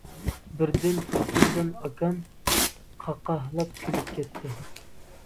بىردىن تۇرسۇنجان ئاكام قاقاھلاپ كۈلۈپ كەتتى.